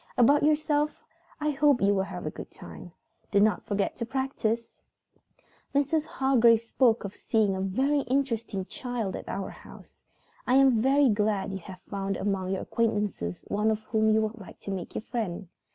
"About yourself, I hope you will have a good time. Do not forget to practice. Mrs. Hargrave spoke of seeing a very interesting child at our house. I am very glad you have found among your acquaintances one whom you would like to make your friend.